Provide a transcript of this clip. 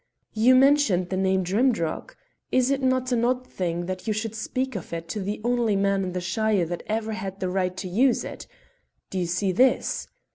You mentioned the name Drimdarroch is it not the odd thing that you should speak it to the only man in the shire that ever had the right to use it? Do you see this?"